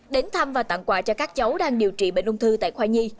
đến thăm và tặng quà cho các cháu đang điều trị bệnh ung thư tại khoai nhi